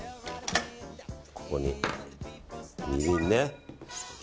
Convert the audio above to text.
ここに、みりんね。